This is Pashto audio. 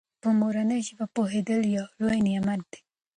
په مورنۍ ژبه پوهېدل یو لوی نعمت دی.